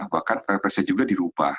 bahkan perpresnya juga dirubah